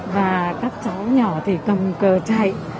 và các cháu nhỏ thì cầm cờ chạy